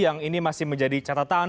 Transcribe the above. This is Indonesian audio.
yang ini masih menjadi catatan